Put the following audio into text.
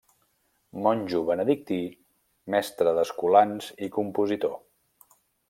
Monjo benedictí, mestre d'escolans i compositor.